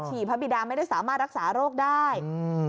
ฉี่พระบิดาไม่ได้สามารถรักษาโลกได้จัดเลยนะ